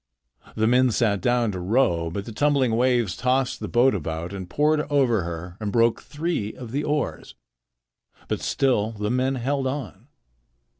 The men sat down to row, but the tumbling waves tossed the boat about and poured over her and broke three of the oars. But still the men held on.